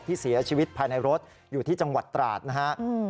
ที่เสียชีวิตภายในรถอยู่ที่จังหวัดตราดนะฮะ